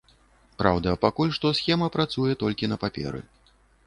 Праўда, пакуль што схема працуе толькі на паперы.